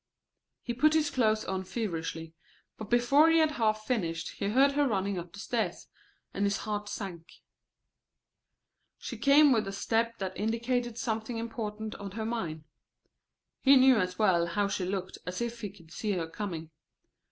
He put his clothes on feverishly, but before he had half finished he heard her running up the stairs, and his heart sank. She came with the step that indicated something important on her mind. He knew as well how she looked as if he could see her coming.